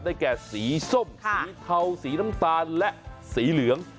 แก่สีส้มสีเทาสีน้ำตาลและสีเหลือง